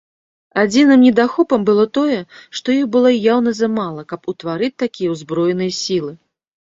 Адзіным недахопам было тое, што іх было яўна замала, каб утварыць такія ўзброеныя сілы.